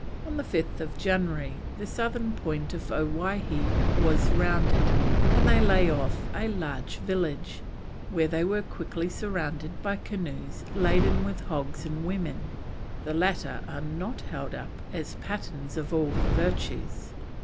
On the 5th January the southern point of Owhyhee was rounded, and they lay off a large village, where they were quickly surrounded by canoes laden "with hogs and women": the latter are not held up as patterns of all the virtues.